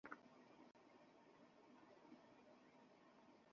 প্রথম ম্যাচে যদি শূন্য করি, তার পরের ম্যাচে সেটার চেয়ে বেশি করা।